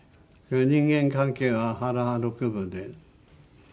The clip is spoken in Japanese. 「人間関係は腹六分で」